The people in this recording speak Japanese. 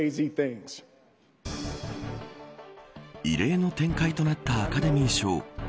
異例の展開となったアカデミー賞。